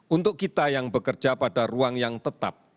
untuk kita yang bekerja pada ruang yang tetap